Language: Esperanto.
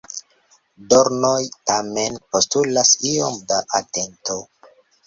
Dornoj tamen postulas iom da atento.